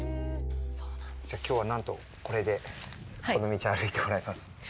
きょうは、なんと、これでこの道を歩いてもらいます。